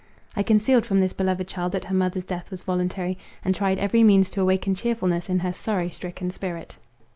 I concealed from this beloved child that her mother's death was voluntary, and tried every means to awaken cheerfulness in her sorrow stricken spirit.